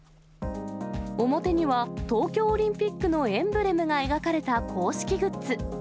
表には東京オリンピックのエンブレムが描かれた公式グッズ。